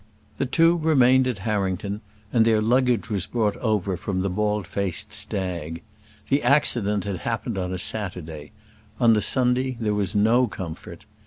The two remained at Harrington and their luggage was brought over from The Baldfaced Stag. The accident had happened on a Saturday. On the Sunday there was no comfort.